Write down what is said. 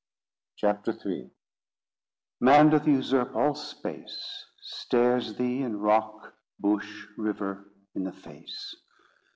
CHAPTER III "Man doth usurp all space, Stares thee, in rock, bush, river, in the face.